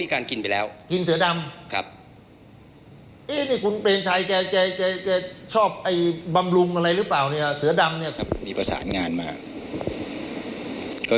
มีการที่จะพยายามติดศิลป์บ่นเจ้าพระงานนะครับ